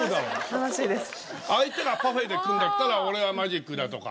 相手がパフェでくるんだったら俺はマジックだとか。